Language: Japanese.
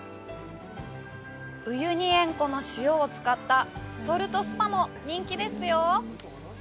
ウユニ塩湖の塩を使ったソルトスパも人気ですよ。